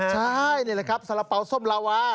สาระเปาส้มลาวา